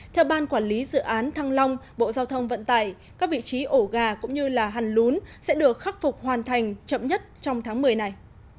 theo ban quản lý dự án thăng long bộ giao thông vận tải các vị trí ổ gà cũng như là hành lún sẽ được khắc phục hoàn thành chậm nhất trong tháng một mươi này